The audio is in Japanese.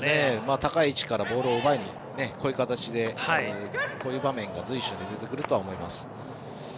高い位置からボールを奪いに、こういう形でこういう場面が随所に出てくるとは思います。